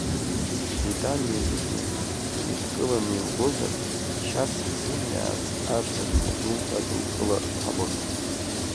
Италиа зегьы недкыланы иугозар, шьац знымиаац ар рымҩаду иадукылар ҟалоит.